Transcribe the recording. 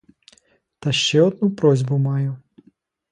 Та ще одну просьбу маю.